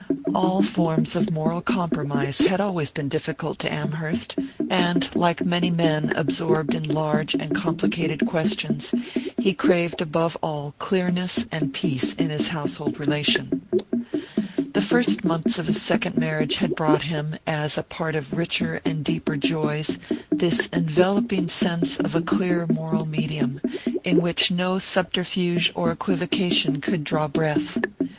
All forms of moral compromise had always been difficult to Amherst, and like many men absorbed in large and complicated questions he craved above all clearness and peace in his household relation. The first months of his second marriage had brought him, as a part of richer and deeper joys, this enveloping sense of a clear moral medium, in which no subterfuge or equivocation could draw breath.